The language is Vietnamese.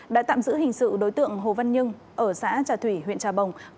đã tạm giữ hình sự đối tượng hồ văn nhân ở xã trà thủy huyện trà bồng